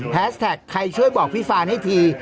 แท็กใครช่วยบอกพี่ฟานให้ที